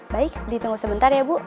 baik ditunggu sebentar ya bu